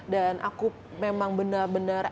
dan aku memang benar benar